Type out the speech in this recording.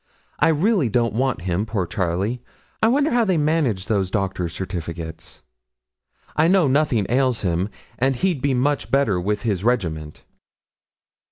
I really don't want him. Poor Charlie! I wonder how they manage those doctors' certificates. I know nothing ails him, and he'd be much better with his regiment.'